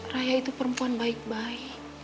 raya itu perempuan baik baik